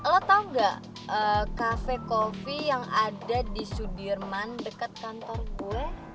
lo tau gak kafe kopi yang ada di sudirman dekat kantor gue